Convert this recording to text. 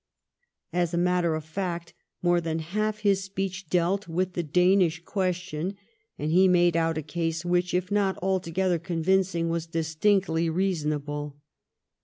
As a matter of fact, more than half his speech dealt with the Danish question, and he made out a case which, if not altogether convincing, was dis tinctly reasonable.